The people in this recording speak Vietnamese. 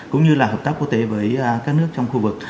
cũng như là hợp tác quốc tế với các nước trong khu vực